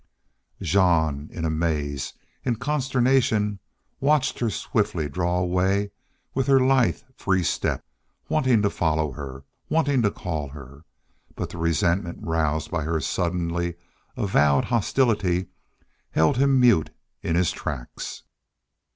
Jean, in amaze, in consternation, watched her swiftly draw away with her lithe, free step, wanting to follow her, wanting to call to her; but the resentment roused by her suddenly avowed hostility held him mute in his tracks.